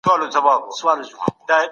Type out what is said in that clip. په داسي حالاتو کي احتياط مه هېروه.